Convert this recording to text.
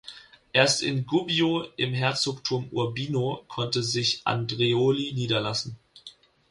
Erst in Gubbio im Herzogtum Urbino konnte sich Andreoli niederlassen.